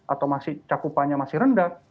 atau masih cakupannya masih rendah